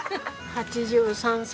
８３歳。